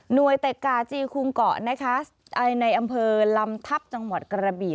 หน่วยเต็กกาจีคุ้งเกาะในอำเภอลำทัพจังหวัดกระบี